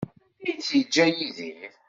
Anda ay tt-yeǧǧa Yidir?